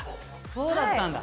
そうだったんだ。